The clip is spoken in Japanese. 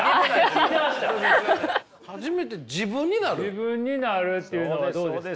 自分なるっていうのはどうですか。